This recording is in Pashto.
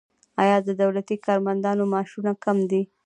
آیا د دولتي کارمندانو معاشونه کم دي؟